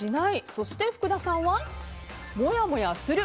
そして福田さんはもやもやする。